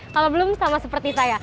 kalau belum sama seperti saya